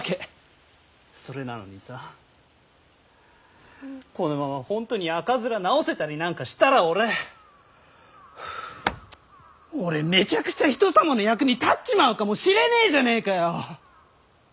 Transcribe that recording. それなのにさこのまま本当に赤面治せたりなんかしたら俺俺めちゃくちゃ人様の役に立っちまうかもしれねえじゃねえかよ！